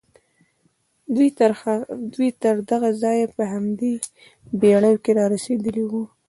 دوی تر دغه ځايه په همدې بېړيو کې را رسېدلي وو.